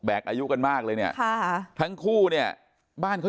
แต่พอเห็นว่าเหตุการณ์มันเริ่มเข้าไปห้ามทั้งคู่ให้แยกออกจากกัน